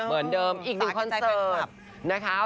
เหมือนเดิมอีกหนึ่งคอนเสิร์ตนะคะ